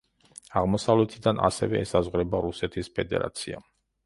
აღმოსავლეთიდან ასევე ესაზღვრება რუსეთის ფედერაცია.